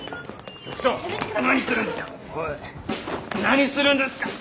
何するんですか！